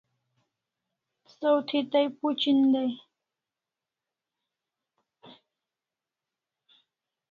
Saw thi tai phuchin dai